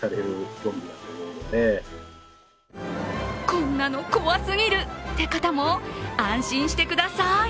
こんなの怖すぎるという方も安心してください。